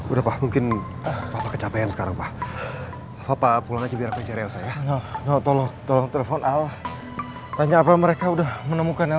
udah mungkin sekarang ya tolong tolong tanya mereka udah menemukan